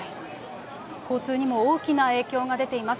交通にも大きな影響が出ています。